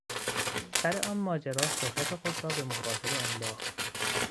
سر آن ماجرا شهرت خود را به مخاطره انداخت.